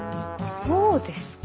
そうですか。